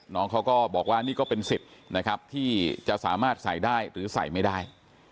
น้องเขาก็บอกว่านี่ก็เป็นสิทธิ์นะครับที่จะสามารถใส่ได้หรือใส่ไม่ได้